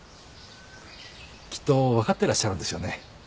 きっと分かってらっしゃるんですよね？